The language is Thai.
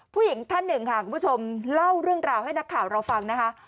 ผู้หญิงท่านหนึ่งค่ะคุณผู้ชมเล่าเรื่องราวให้นักข่าวเราฟังนะคะ